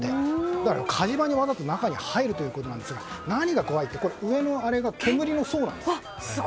火事場にわざと中に入るということですが何が怖いって上のあれが煙の層なんです。